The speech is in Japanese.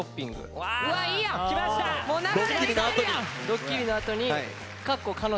ドッキリのあとに「」。